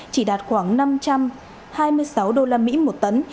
chỉ đạt khoảng năm trăm hai mươi sáu đô la mỹ một tấn